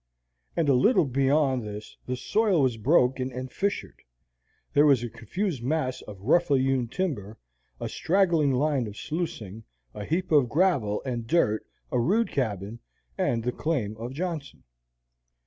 And a little beyond this the soil was broken and fissured, there was a confused mass of roughly hewn timber, a straggling line of sluicing, a heap of gravel and dirt, a rude cabin, and the claim of Johnson.